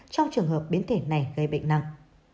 trong trường hợp biến thể này gây bệnh nặng